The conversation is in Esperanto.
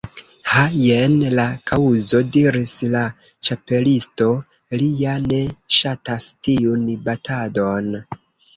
"Ha, jen la kaŭzo," diris la Ĉapelisto. "Li ja ne ŝatas tiun batadon.